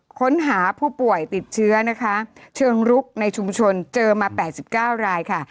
ค้นหาผู้ป่วยติดเชื้อนะคะเชิงรุกในชุมชนเจอมา๘๙รายค่ะ